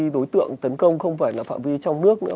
đối tượng tấn công không phải là phạm vi trong nước nữa